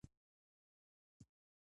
ځوابونه ولټوئ.